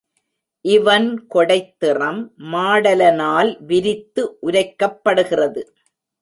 இவன் கொடைத் திறம் மாடலனால் விரித்து உரைக்கப்படுகிறது.